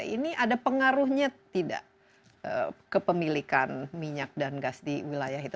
ini ada pengaruhnya tidak kepemilikan minyak dan gas di wilayah itu